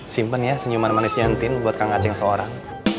simpen ya senyuman manisnya tin buat kang gaceng seorang